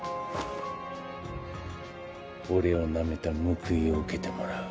俺をナメた報いを受けてもらう。